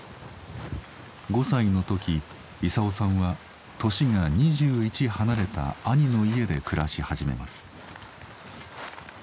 ５歳の時勲さんは年が２１離れた兄の家で暮らし始めます。